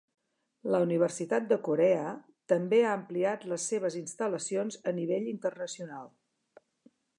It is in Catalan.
La universitat de Corea també ha ampliat les seves instal·lacions a nivell internacional.